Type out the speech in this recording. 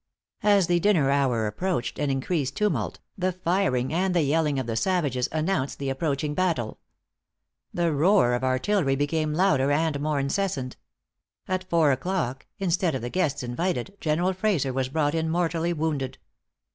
As the dinner hour approached, an increased tumult, the firing, and the yelling of the savages, announced the approaching battle. The roar of artillery became louder and more incessant. At four o'clock, instead of the guests invited, General Frazer was brought in mortally wounded.